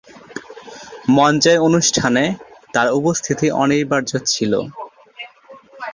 মঞ্চের অনুষ্ঠানে তাঁর উপস্থিতি অনিবার্য ছিল।